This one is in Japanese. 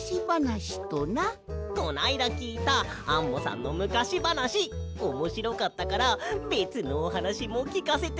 こないだきいたアンモさんのむかしばなしおもしろかったからべつのおはなしもきかせて。